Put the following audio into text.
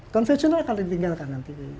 konvensional akan ditinggalkan nanti